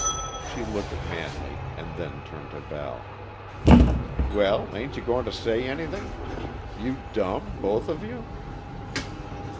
She looked at Manley, and then turned to Val. "Well, ain't you goin' to say anything? You dumb, both of you?"